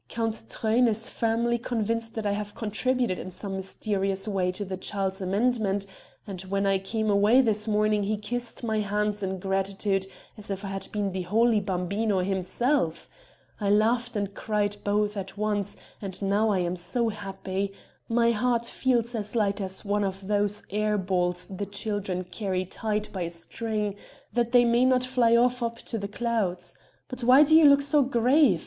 Count Truyn is firmly convinced that I have contributed in some mysterious way to the child's amendment, and when I came away this morning he kissed my hands in gratitude as if I had been the holy Bambino himself. I laughed and cried both at once, and now I am so happy my heart feels as light as one of those air balls the children carry tied by a string, that they may not fly off up to the clouds. But why do you look so grave?